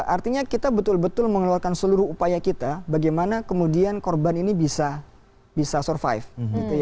artinya kita betul betul mengeluarkan seluruh upaya kita bagaimana kemudian korban ini bisa survive